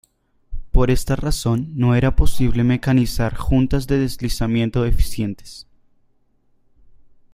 Por esta razón, no era posible mecanizar juntas de deslizamiento eficientes.